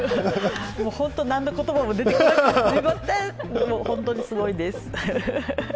本当に何の言葉も出てこなくて、すみません、本当にすごいです。